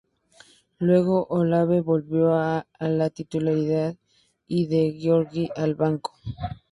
Luego, Olave volvió a la titularidad y De Giorgi al banco.